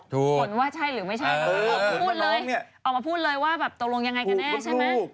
ถูกอ๋อออกมาพูดเลยว่าตรงลงยังไงกันแน่ใช่มั้ย